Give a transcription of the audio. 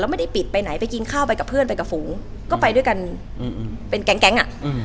ไม่ได้ปิดไปไหนไปกินข้าวไปกับเพื่อนไปกับฝูงก็ไปด้วยกันเป็นแก๊งแก๊งอ่ะอืม